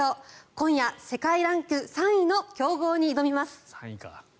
今夜、世界ランク３位の強豪に挑みます。